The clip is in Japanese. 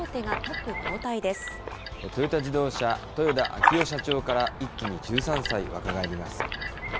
トヨタ自動車、豊田章男社長から、一気に１３歳若返ります。